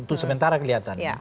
itu sementara kelihatan